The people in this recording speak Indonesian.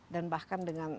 dan bahkan dengan